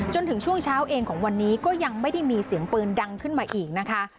จนถึงช่วงเช้าเองของวันนี้ก็ยังไม่ได้มีเสียงปืนดังขึ้นมาอีกนะคะ